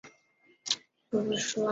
现在参加西班牙足球甲级联赛。